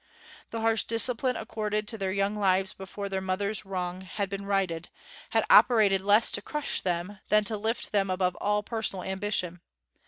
The harsh discipline accorded to their young lives before their mother's wrong had been righted, had operated less to crush them than to lift them above all personal ambition.